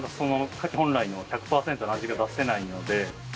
本来の１００パーセントの味が出せないので。